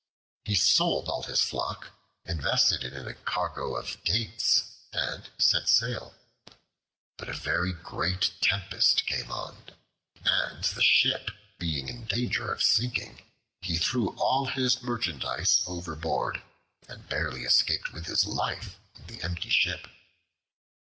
He sold all his flock, invested it in a cargo of dates, and set sail. But a very great tempest came on, and the ship being in danger of sinking, he threw all his merchandise overboard, and barely escaped with his life in the empty ship.